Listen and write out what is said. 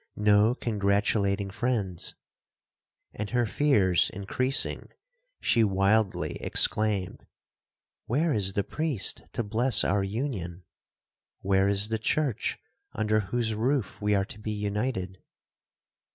—no congratulating friends!'—and her fears increasing, she wildly exclaimed, 'Where is the priest to bless our union?—where is the church under whose roof we are to be united?'